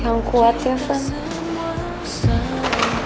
yang kuat ya van